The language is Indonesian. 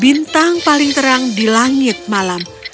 bintang paling terang di langit malam